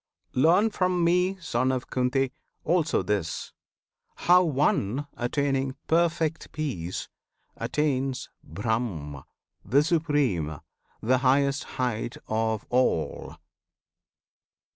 Learn from me, Son of Kunti! also this, How one, attaining perfect peace, attains BRAHM, the supreme, the highest height of all!